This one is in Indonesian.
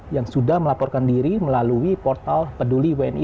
yang sudah melaporkan diri melalui portal peduli wni